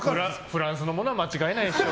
フランスのものは間違いないでしょ。